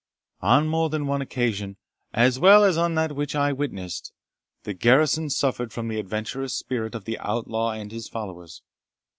On more than one occasion, as well as on that which I witnessed, the garrison suffered from the adventurous spirit of the outlaw and his followers.